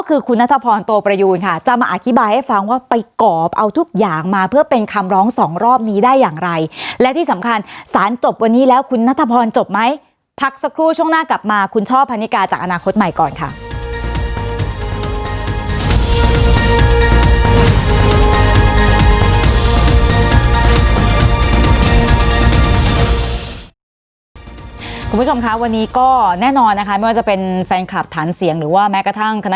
คือคุณนัทพรโตประยูนค่ะจะมาอธิบายให้ฟังว่าไปกรอบเอาทุกอย่างมาเพื่อเป็นคำร้องสองรอบนี้ได้อย่างไรและที่สำคัญสารจบวันนี้แล้วคุณนัทพรจบไหมพักสักครู่ช่วงหน้ากลับมาคุณช่อพันนิกาจากอนาคตใหม่ก่อนค่ะคุณผู้ชมค่ะวันนี้ก็แน่นอนนะคะไม่ว่าจะเป็นแฟนคลับฐานเสียงหรือว่าแม้กระทั่งคณะ